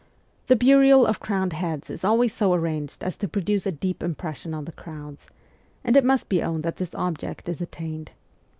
The burial of crowned heads is always so arranged as to produce a deep impression on the crowds, and it must be owned that this object is attained.